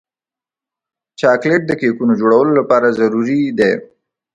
چاکلېټ د کیکونو جوړولو لپاره ضروري دی.